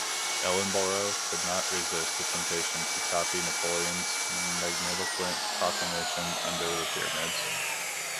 Ellenborough could not resist the temptation to copy Napoleon's magniloquent proclamation under the pyramids.